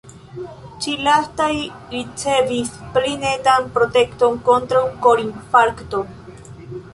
Ĉi-lastaj ricevis pli netan protekton kontraŭ korinfarkto.